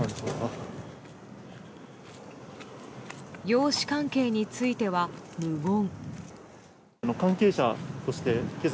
養子関係については、無言。